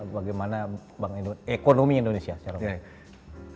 bagaimana ekonomi indonesia secara baik